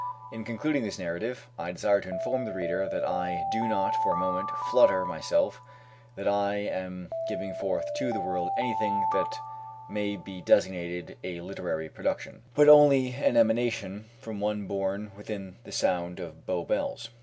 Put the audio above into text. In concluding this narrative, I desire to inform the reader that I do not for a moment flatter myself that I am giving forth to the world anything that may be designated a literary production, but only an emanation from one born within the sound of Bow Bells.